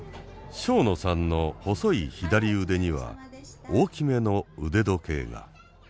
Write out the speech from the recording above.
庄野さんの細い左腕には大きめの腕時計が。